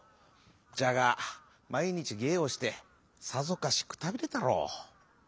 じゃがまいにちげいをしてさぞかしくたびれたろう。